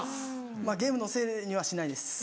まぁゲームのせいにはしないです。